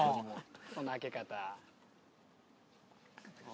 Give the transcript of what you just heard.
その開け方。